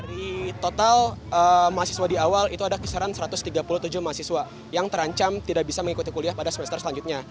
dari total mahasiswa di awal itu ada kisaran satu ratus tiga puluh tujuh mahasiswa yang terancam tidak bisa mengikuti kuliah pada semester selanjutnya